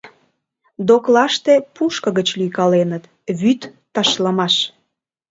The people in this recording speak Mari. Доклаште пушко гыч лӱйкаленыт: вӱд ташлымаш!